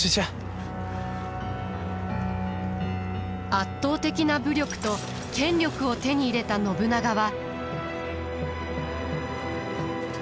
圧倒的な武力と権力を手に入れた信長は。